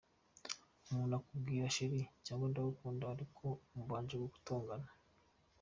umuntu akubwira cheri cg Ndagukunda ari uko mubanje gutongana.